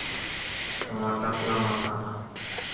তোমার টাকলা মাথা না।